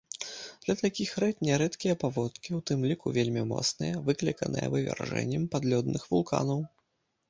Для такіх рэк нярэдкія паводкі, у тым ліку вельмі моцныя, выкліканыя вывяржэннем падлёдных вулканаў.